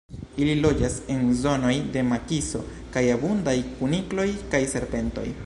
Ili loĝas en zonoj de makiso kaj abundaj kunikloj kaj serpentoj.